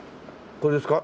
これですか？